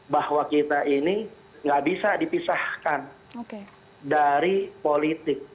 bahwa kita ini nggak bisa dipisahkan dari politik